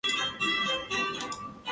此棋组善于斜行攻击。